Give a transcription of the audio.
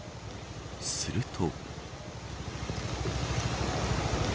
すると。